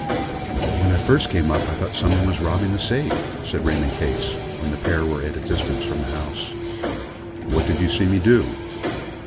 "When I first came up I thought somebody was robbing the safe," said Raymond Case, when the pair were at a distance from the house. "What did you see me do?"